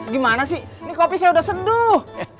gimana sih ini kopinya udah seduh